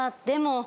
でも。